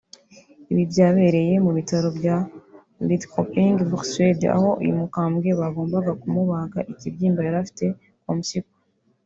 Ibi byabereye mu bitaro bya Lidköping muri Suède aho uyu mukambwe bagombaga kumubaga ikibyimba yari afite ku mpyiko